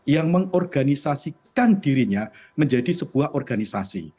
yang mengorganisasikan dirinya menjadi sebuah organisasi